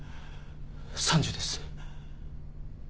３０です。